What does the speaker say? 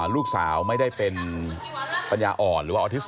ลูกสาวไม่ได้เป็นปัญญาอ่อนหรือว่าออทิสติ